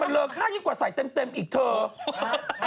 มันเหลือข้างอยู่กว่าใส่เต็มอีกเถอะ